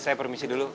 saya permisi dulu